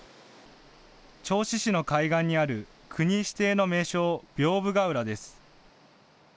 銚子市の海岸にある国指定の名勝、屏風ケ浦です。